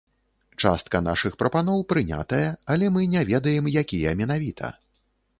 Частка нашых прапаноў прынятая, але мы не ведаем, якія менавіта.